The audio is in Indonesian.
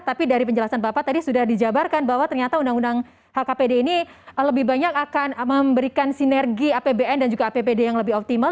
tapi dari penjelasan bapak tadi sudah dijabarkan bahwa ternyata undang undang hkpd ini lebih banyak akan memberikan sinergi apbn dan juga apbd yang lebih optimal